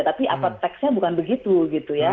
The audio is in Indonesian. tapi apa teksnya bukan begitu gitu ya